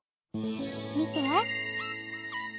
みて。